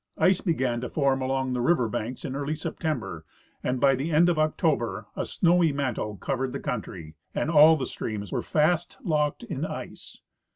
Ice began to form along the river banks in early Sep tember, and by the end of October a snowy mantle covered the country, and all the streams were fast locked in ice.